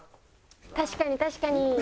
確かに確かに！